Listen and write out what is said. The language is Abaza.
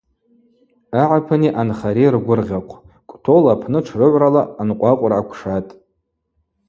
Агӏапыни анхари ргвыргъьахъв: Кӏвтӏол апны тшрыгӏврала анкъвакъвра акӏвшатӏ.